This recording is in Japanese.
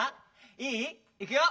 いい？いくよ！